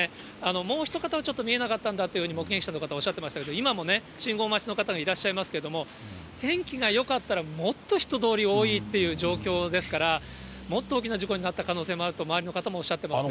もう一方はちょっと見えなかったと目撃者の方はおっしゃってましたけど、今も信号待ちの方がいらっしゃいますけども、天気がよかったら、もっと人通り多いという状況ですから、もっと大きな事故になった可能性もあると、周りの方もおっしゃってますね。